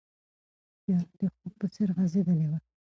تیاره د خوب په څېر غځېدلې وه.